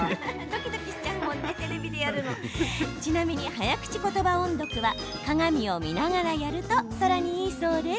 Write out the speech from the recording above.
ちなみに、早口言葉音読は鏡を見ながらやるとさらにいいそうです。